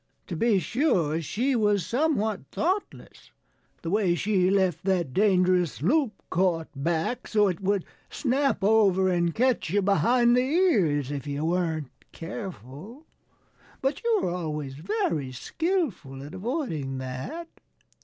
To be sure, she was somewhat thoughtless the way she left that dangerous loop caught back, so it would snap over and catch you behind the ears if you weren't careful. But you were always very skillful at avoiding that."